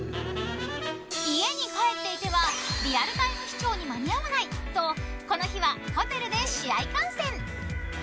家に帰っていてはリアルタイム視聴に間に合わないとこの日はホテルで試合観戦。